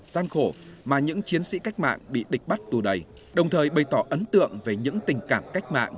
gian khổ mà những chiến sĩ cách mạng bị địch bắt tù đầy đồng thời bày tỏ ấn tượng về những tình cảm cách mạng